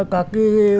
cả cái năm triệu